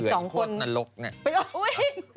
๒คนไปเอาอุ๊ย